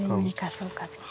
そうかそうか。